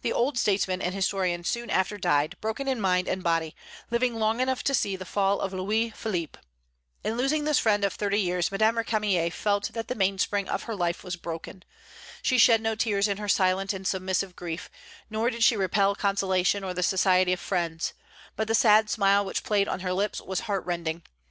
The old statesman and historian soon after died, broken in mind and body, living long enough to see the fall of Louis Philippe. In losing this friend of thirty years Madame Récamier felt that the mainspring of her life was broken. She shed no tears in her silent and submissive grief, nor did she repel consolation or the society of friends, "but the sad smile which played on her lips was heart rending....